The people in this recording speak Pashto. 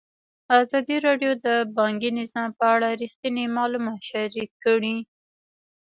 ازادي راډیو د بانکي نظام په اړه رښتیني معلومات شریک کړي.